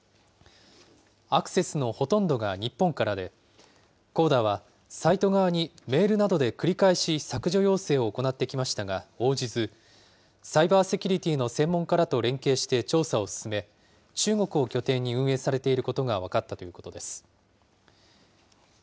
アクセスのほとんどが日本からで、ＣＯＤＡはサイト側にメールなどで繰り返し削除要請を行ってきましたが応じず、サイバーセキュリティーの専門家らと連携して調査を進め、中国を拠点に運営されていることが分かったということです。